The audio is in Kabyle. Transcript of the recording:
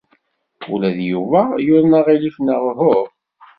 Ula d Yuba yuḍen aɣilif neɣ uhu?